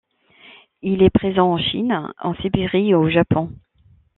Il est présent en Chine, en Sibérie et au Japon.